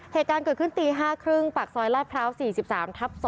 เหตุการณ์เกิดขึ้นตี๕๓๐ปากซอยลาดพร้าว๔๓ทับ๒